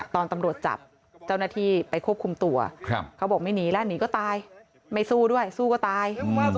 ตอนตำรวจจับเจ้าหน้าที่ไปควบคุมตัวเขาบอกไม่หนีแล้วหนีก็ตายไม่สู้ด้วยสู้ก็ตาย